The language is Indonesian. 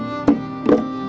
agar tidak terjadi keguguran